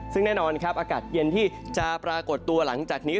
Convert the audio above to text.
ซึ่งแน่นอนครับอากาศเย็นที่จะปรากฏตัวหลังจากนี้